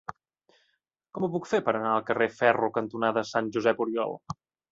Com ho puc fer per anar al carrer Ferro cantonada Sant Josep Oriol?